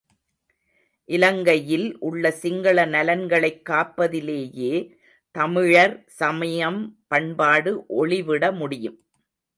இலங்கையில் உள்ள சிங்கள நலன்களைக் காப்பதிலேயே தமிழர் சமயம் பண்பாடு ஒளிவிட முடியும்!